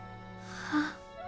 あっ。